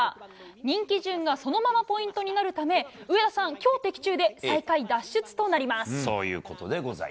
人気順がそのままポイントになるため上田さん、今日的中で最下位脱出となります。